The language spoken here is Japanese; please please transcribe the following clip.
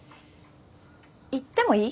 行ってもいい？